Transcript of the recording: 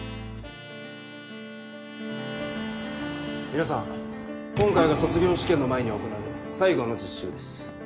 皆さん今回が卒業試験の前に行う最後の実習です。